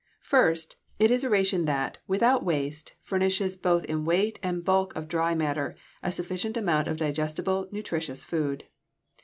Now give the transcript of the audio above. First, it is a ration that, without waste, furnishes both in weight and bulk of dry matter a sufficient amount of digestible, nutritious food.